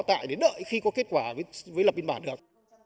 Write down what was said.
tại đến đợi khi có kết quả mới lập biên bản được